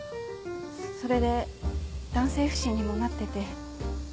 それで男性不信にもなってて。